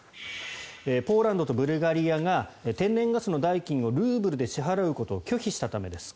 ポーランドとブルガリアが天然ガスの代金をルーブルで支払うことを拒否したためです。